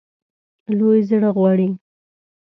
لوی زړه غواړي.